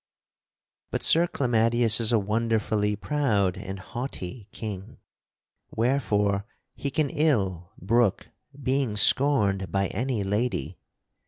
"But Sir Clamadius is a wonderfully proud and haughty King, wherefore he can ill brook being scorned by any lady.